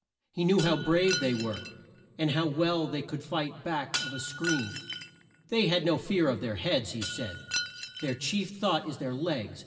He knew how brave they were, and how well they could fight back of a screen. "They have no fear of their heads," he said, "their chief thought is their legs.